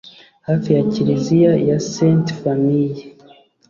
hafi ya Kiliziya ya Sainte Famille.